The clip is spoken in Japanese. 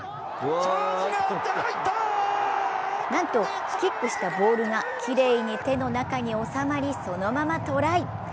なんと、キックしたボールがきれいに手の中に収まりそのままトライ。